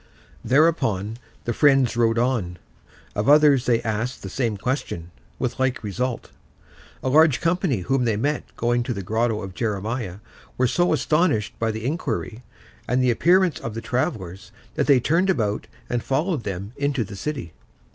Thereupon the friends rode on. Of others they asked the same question, with like result. A large company whom they met going to the Grotto of Jeremiah were so astonished by the inquiry and the appearance of the travellers that they turned about and followed them into the city.